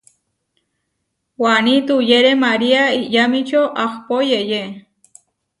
Waní tuyére María Iʼyamíčio ahpó yeyé.